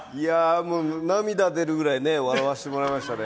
涙出るぐらい笑わせてもらいましたね。